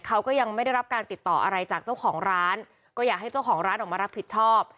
เขาก็ยังไม่ได้รับการติดต่ออะไรจากเจ้าของร้านก็อยากให้เจ้าของร้านออกมารับผิดชอบ